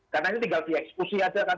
karena ini tinggal diekskusi aja kan